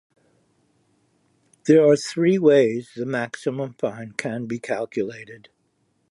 There are three ways the maximum fine can be calculated.